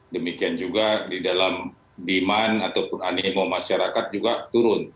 demikian juga di dalam demand ataupun animo masyarakat juga turun